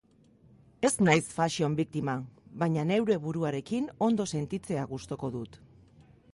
Ez naiz fashion victim-a, baina neure buruarekin ondo sentitzea gustuko dut.